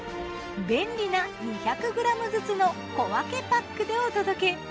便利な２００ｇずつの小分けパックでお届け。